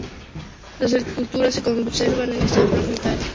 Las esculturas se conservan en estado fragmentario.